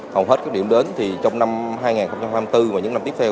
hầu hết các điểm đến thì trong năm hai nghìn hai mươi bốn và những năm tiếp theo